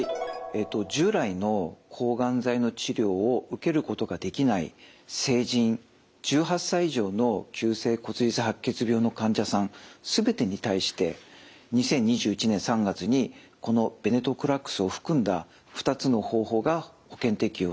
従来の抗がん剤の治療を受けることができない成人１８歳以上の急性骨髄性白血病の患者さん全てに対して２０２１年３月にこのベネトクラクスを含んだ２つの方法が保険適用となりました。